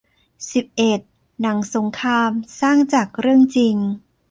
สิบเอ็ด หนังสงคราม สร้างจากเรื่องจริง